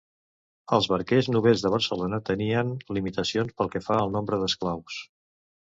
Els barquers novells de Barcelona tenien limitacions pel que fa al nombre d’esclaus.